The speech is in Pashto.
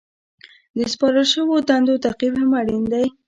د سپارل شوو دندو تعقیب هم اړین دی.